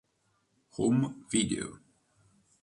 Home Video.